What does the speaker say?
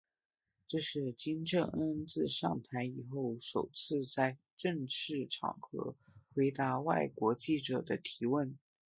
这是金正恩自上台以后首次在正式场合回答外国记者的提问。